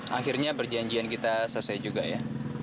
akhirnya perjanjian kita selesai juga ya